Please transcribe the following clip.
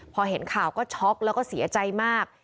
พอเห็นข่าวก็ช็อกแล้วก็เสียใจมาก